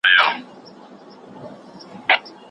پردېس قسمته ګورستان خبره کله مني